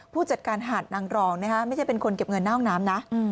ผู้จัดการหาดนางรองไม่ใช่เป็นคนเก็บเงินหน้าห้องน้ำนะ